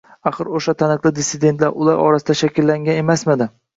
Axir o‘sha “taniqli dissidentlar”, ular orasida shakllangan emasmidi?